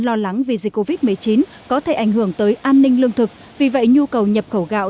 lo lắng vì dịch covid một mươi chín có thể ảnh hưởng tới an ninh lương thực vì vậy nhu cầu nhập khẩu gạo